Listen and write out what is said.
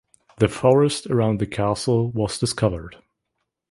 The forest around the castle was discovered.